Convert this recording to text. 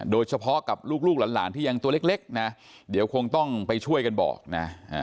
โดยเฉพาะกับลูกหลานที่ยังตัวเล็กนะเดี๋ยวคงต้องไปช่วยกันบอกนะ